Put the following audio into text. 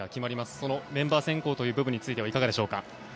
そのメンバー選考という部分についてはいかがでしょうか。